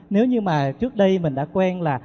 nếu như mà trước đây mình đã quen là